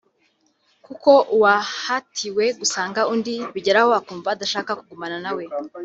kuko uwahatiwe gusanga undi bigeraho akumva adashaka kugumana na we